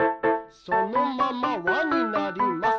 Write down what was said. そのまま輪になります。